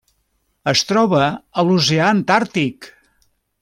Es troba a l'Oceà Antàrtic: